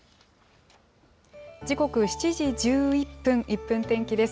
時刻７時１１分、１分天気です。